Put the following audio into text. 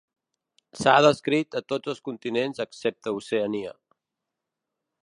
S'ha descrit a tots els continents excepte Oceania.